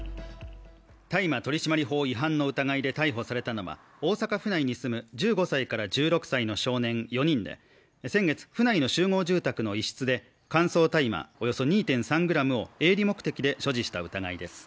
大麻取締法違反の疑いで逮捕されたのは、大阪府内に住む１５歳から１６歳の少年４人で先月、府内の集合住宅の一室で乾燥大麻、およそ２．３ｇを営利目的で所持した疑いです。